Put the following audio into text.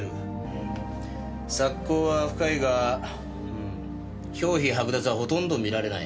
索溝は深いが表皮剥奪はほとんど見られない。